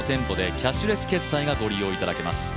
キャッシュレス決済がご利用いただけます。